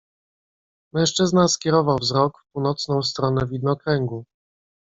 "Mężczyzna skierował wzrok w północną stronę widnokręgu."